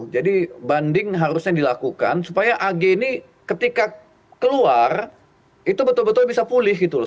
jadi banding harusnya dilakukan supaya ag ini ketika keluar itu betul betul bisa pulih gitu loh